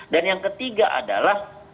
dan yang ketiga adalah